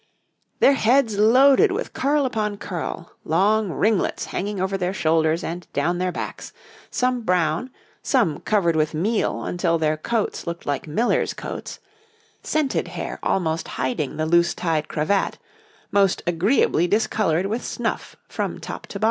Their heads loaded with curl upon curl, long ringlets hanging over their shoulders and down their backs, some brown, some covered with meal until their coats looked like millers' coats; scented hair, almost hiding the loose tied cravat, 'most agreeably discoloured with snuff from top to bottom.'